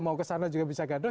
mau kesana juga bisa gaduh